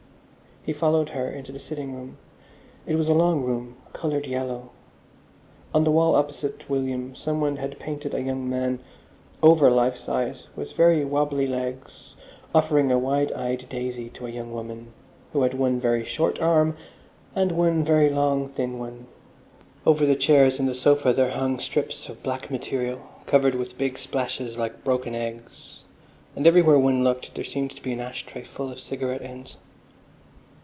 He followed her into the sitting room. It was a long room, coloured yellow. On the wall opposite William some one had painted a young man, over life size, with very wobbly legs, offering a wide eyed daisy to a young woman who had one very short arm and one very long, thin one. Over the chairs and sofa there hung strips of black material, covered with big splashes like broken eggs, and everywhere one looked there seemed to be an ash tray full of cigarette ends.